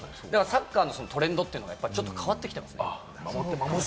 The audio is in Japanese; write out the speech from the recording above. サッカーのトレンドというのが、ちょっと変わってきてますね。